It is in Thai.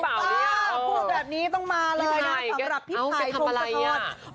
พูดแบบนี้ต้องมาเลยค่ะสำหรับพี่ภัยทรงประโยชน์